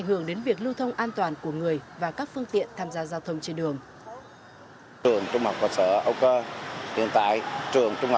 đối với việc lưu thông an toàn của người và các phương tiện tham gia giao thông trên đường